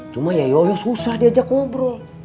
cuma ya yoyo susah diajak ngobrol